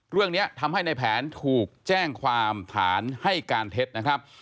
เรื่องนี้ทำให้ในแผนถูกแจ้งความฐานให้การเท็จนะครับ